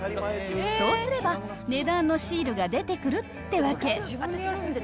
そうすれば、値段のシールが出てくるってわけ。